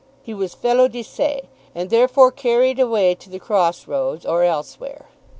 He was felo de se, and therefore carried away to the cross roads or elsewhere.